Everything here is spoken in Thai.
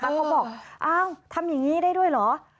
เขาบอกอ้าวทำอย่างนี้ได้ด้วยเหรอ